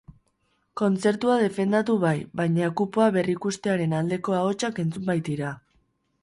Kontzertua defendatu bai, baina kupoa berrikustearen aldeko ahotsak entzun baitira.